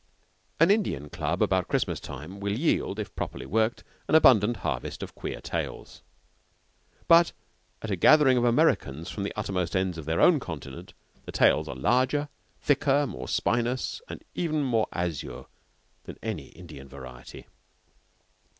An Indian club about Christmas time will yield, if properly worked, an abundant harvest of queer tales; but at a gathering of Americans from the uttermost ends of their own continent, the tales are larger, thicker, more spinous, and even more azure than any Indian variety.